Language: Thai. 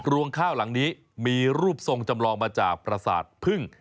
รวงข้าวหลังนี้มีรูปทรงจำลองมาจากประสาทพึ่ง